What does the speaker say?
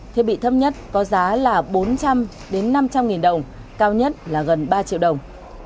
thiết bị thấp nhất có giá là bốn trăm linh năm trăm linh nghìn đồng cao nhất là gần ba triệu đồng